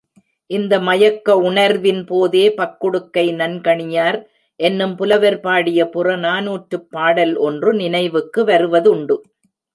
இந்த மயக்க உணர்வின் போதே, பக்குடுக்கை நன்கணியார் என்னும் புலவர் பாடிய புறநானூற்றுப் பாடல் ஒன்று நினைவுக்கு வருவதுண்டு.